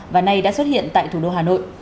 và nay đã xuất hiện tại thủ đô hà nội